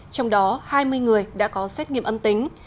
trong đó hai mươi người đã có xét nghiệm âm tính